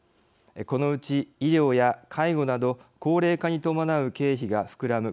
このうち医療や介護など高齢化にともなう経費が膨らむ